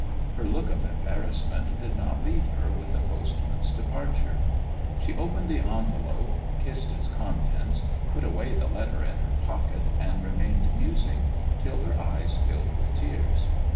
Her look of embarrassment did not leave her with the postman's departure. She opened the envelope, kissed its contents, put away the letter in her pocket, and remained musing till her eyes filled with tears.